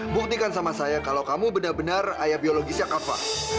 buktikan sama saya kalau kamu benar benar ayah biologisnya apa